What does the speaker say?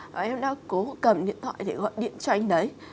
và em đã cố cầm điện thoại để gọi điện cho anh đấy